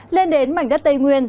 lên đến mảnh đất tây nguyên